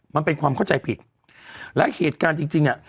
มันเป็นความเข้าใจผิดและเหตุการณ์จริงจริงอ่ะ